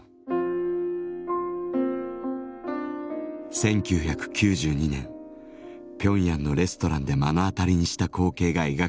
１９９２年ピョンヤンのレストランで目の当たりにした光景が描かれています。